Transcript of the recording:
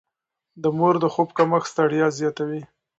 د مور د خوب کمښت ستړيا زياتوي.